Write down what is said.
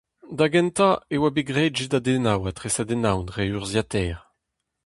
Da gentañ e oa bet graet jedadennoù ha tresadennoù dre urzhiataer.